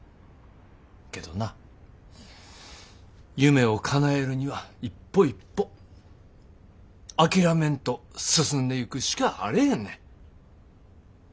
けどな夢をかなえるには一歩一歩諦めんと進んでいくしかあれへんねん。